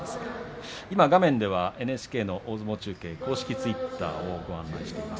画面ではＮＨＫの大相撲中継公式ツイッターをご紹介しています。